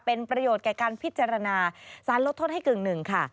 เป็นประโยชน์แก่การพิจารณาสารลดโทษให้กึ่งหนึ่งค่ะ